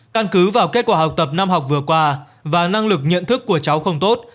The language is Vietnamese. căn cứ vào kết quả học tập năm học vừa qua và năng lực nhận thức của cháu không tốt